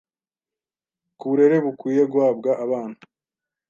kuburere bukwiye guhabwa abana